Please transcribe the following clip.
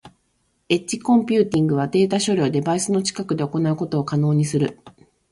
エッジコンピューティングはデータ処理をデバイスの近くで行うことを可能にする。